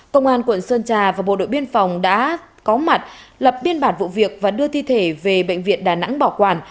công an quận sơn trà và bộ đội biên phòng đã có mặt lập biên bản vụ việc và đưa thi thể về bệnh viện đà nẵng bảo quản